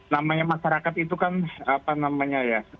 namanya masyarakat itu kan apa namanya ya